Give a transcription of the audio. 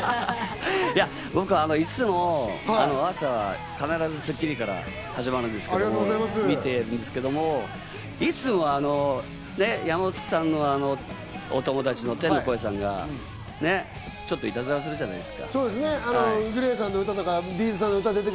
僕がいつも朝、必ず『スッキリ』から始まるんですけど、見てるんですけど、いつも山里さんのお友達の天の声さんがいたずらするじゃないです